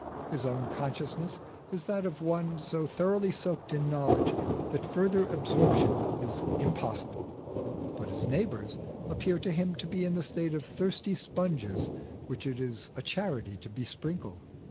His own consciousness is that of one so thoroughly soaked in knowledge that further absorption is impossible, but his neighbours appear to him to be in the state of thirsty sponges which it is a charity to besprinkle.